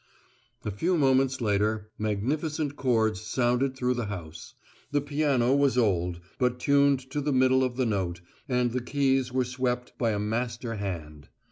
A few moments later, magnificent chords sounded through the house. The piano was old, but tuned to the middle of the note, and the keys were swept by a master hand.